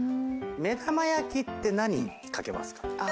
目玉焼きって何掛けますか？